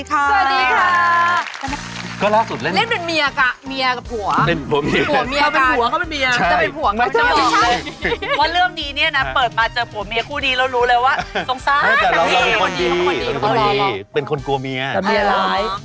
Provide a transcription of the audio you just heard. กูจะบอกเลยว่าเริ่มนี้เนี่ยนะ